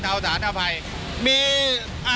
สถานการณ์ข้อมูล